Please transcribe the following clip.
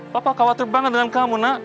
bapak khawatir banget dengan kamu nak